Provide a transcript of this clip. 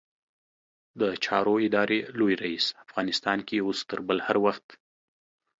د چارو ادارې لوی رئيس؛ افغانستان کې اوس تر بل هر وخت